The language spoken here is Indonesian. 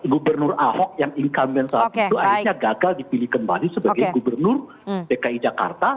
gubernur ahok yang incumbent saat itu akhirnya gagal dipilih kembali sebagai gubernur dki jakarta